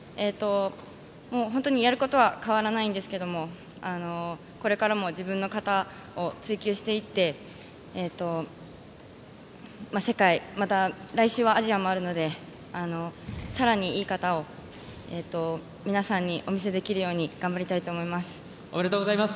本当にやることは変わらないんですけどこれからも自分の形を追求していって世界、また来週はアジアもあるのでさらにいい形を皆さんにお見せできるように頑張りたいと思います。